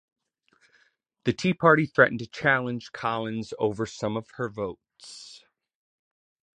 The Tea Party threatened to challenge Collins over some of her votes.